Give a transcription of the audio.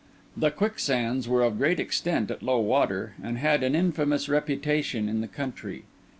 The quicksands were of great extent at low water, and had an infamous reputation in the country.